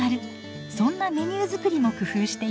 そんなメニュー作りも工夫しています。